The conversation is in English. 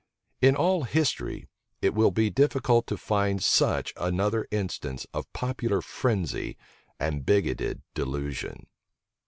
In all history, it will be difficult to find such another instance of popular frenzy and bigoted delusion.